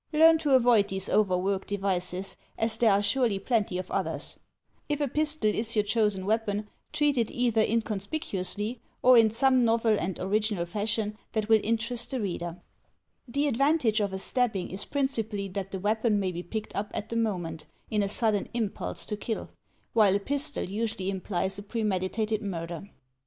Learn to avoid these over worked devices, as there are surely plenty of others. If a pistol is your chosen weapon, treat it either in conspicuously, or in some novel and original fashion that will interest the reader. The advantage of a stabbing is principally that the weapon 246 THE TECHNIQUE OF THE MYSTERY STORY may be picked up at the moment, in a sudden impulse to kill; while a pistol usually implies a premeditated murder.